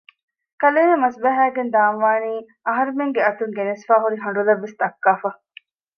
ކަލޭމެން މަސްބަހައިގެން ދާންވާނީ އަހަރުމެންގެ އަތުން ގެނެސްފައިހުރި ހަނޑުލަށް ވެސް ދައްކާފަ